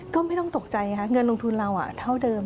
ก็ไม่ต้องตกใจค่ะเงินลงทุนเราเท่าเดิม